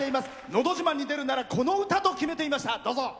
「のど自慢」に出るならこの歌と決めていました。